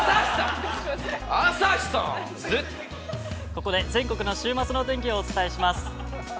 ◆ここで全国の週末のお天気をお伝えします。